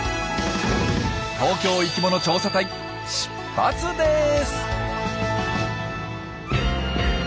東京生きもの調査隊出発です。